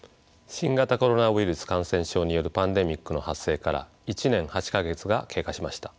新型コロナウイルス感染症によるパンデミックの発生から１年８か月が経過しました。